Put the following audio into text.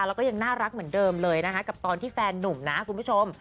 แล้วก็ยังน่ารักเหมือนเดิมเลยนะคะกับตอนที่แฟนนุ่มนะคุณผู้ชม